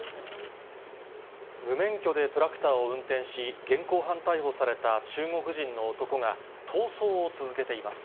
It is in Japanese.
無免許でトラクターを運転し、現行犯逮捕された中国人の男が、逃走を続けています。